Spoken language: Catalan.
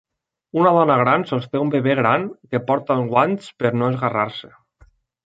Una dona gran sosté un bebè gran que porta guants per no esgarrar-se.